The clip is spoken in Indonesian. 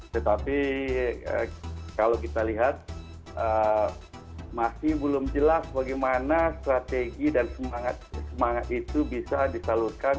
tetapi kalau kita lihat masih belum jelas bagaimana strategi dan semangat itu bisa disalurkan